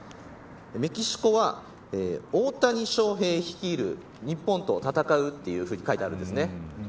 メキシコは大谷翔平率いる日本と戦うというふうに書いてあるんです。